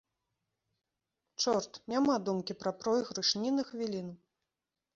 Чорт, няма думкі пра пройгрыш, ні на хвіліну.